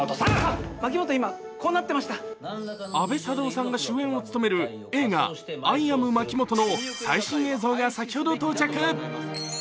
阿部サダヲさんが主演を務める映画「アイ・アムまきもと」の最新映像が先ほど到着。